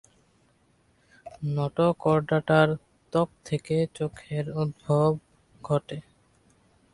নটোকর্ডাটার ত্বক থেকে চোখের উদ্ভব ঘটে।